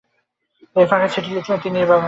এই ফাঁকে চিঠি লিখলেন তিন্নির বাবাকে।